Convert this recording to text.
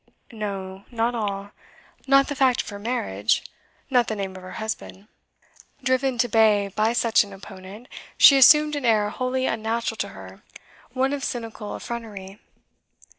No, not all. Not the fact of her marriage; not the name of her husband. Driven to bay by such an opponent, she assumed an air wholly unnatural to her one of cynical effrontery.